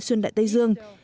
xuyên đại tây dương